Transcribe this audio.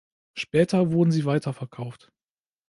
Später wurden sie weiterverkauft.